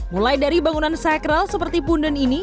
mulai dari bangunan sakral seperti punden ini